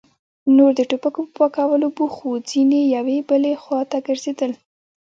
نور د ټوپکو په پاکولو بوخت وو، ځينې يوې بلې خواته ګرځېدل.